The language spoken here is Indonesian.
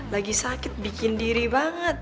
lagi sakit bikin diri banget